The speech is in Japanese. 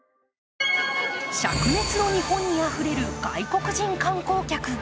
しゃく熱の日本にあふれる外国人観光客。